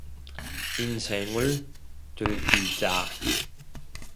인생을 즐기자.